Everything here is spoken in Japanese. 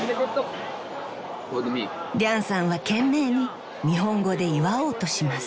［リャンさんは懸命に日本語で祝おうとします］